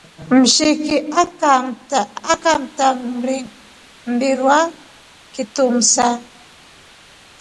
Mshiki akamta mbirwa kitumsa.